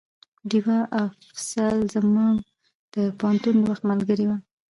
ډيوه افصل زما د پوهنتون د وخت ملګرې وه